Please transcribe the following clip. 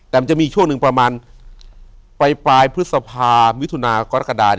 แต่มันจะมีช่วงหนึ่งประมาณไปปลายพฤษภามิถุนากรกฎา